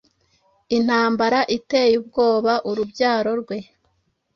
Intambara iteye ubwoba urubyaro rwe